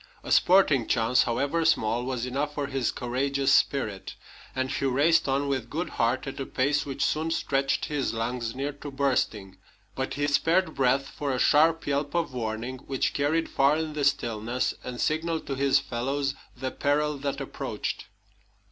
A sporting chance, however small, was enough for his courageous spirit, and he raced on with good heart at a pace which soon stretched his lungs near to bursting. But he spared breath for a sharp yelp of warning, which carried far in the stillness and signaled to his fellows the peril that approached.